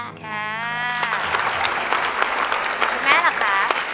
ขอบคุณแม่ล่ะค่ะ